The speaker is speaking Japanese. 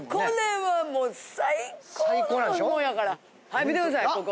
はい見てくださいここ。